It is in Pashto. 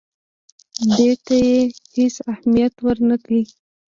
دې ته یې هېڅ اهمیت ورنه کړ.